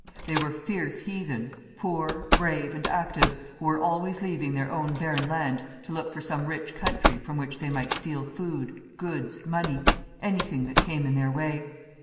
They were fierce heathens, poor, brave, and active, who were always leaving their own barren land to look for some rich country from which they might steal food, goods, money — anything that came in their way.